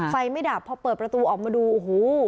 ไม่ดับพอเปิดประตูออกมาดูโอ้โห